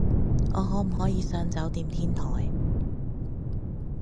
我可唔可以上酒店天台？